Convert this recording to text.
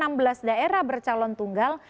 jadi dari enam belas daerah bercalon tunggal